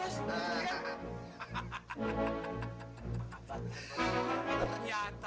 saya punya usul